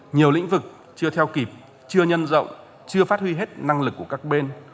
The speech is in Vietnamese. nhiều lĩnh vực chưa theo kịp chưa nhân rộng chưa phát huy hết năng lực của các bên